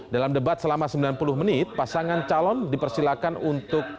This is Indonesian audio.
dalam debat selama sembilan puluh menit pasangan calon dipersilakan untuk